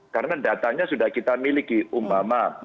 karena datanya sudah kita miliki umpama